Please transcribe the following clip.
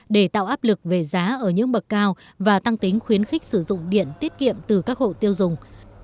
để tạo áp lực về giá ở những bậc cao và tăng tính khuyến khích sử dụng điện tiết kiệm từ các hộ tiêu dùng